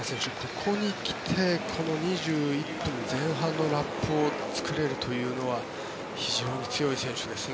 ここに来て２１分前半のラップを作れるというのは非常に強い選手ですね。